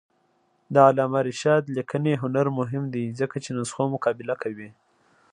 د علامه رشاد لیکنی هنر مهم دی ځکه چې نسخو مقابله کوي.